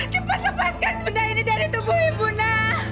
cepat lepaskan benda ini dari tubuh ibu na